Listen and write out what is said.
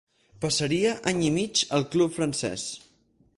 Passaria any i mig al club francés.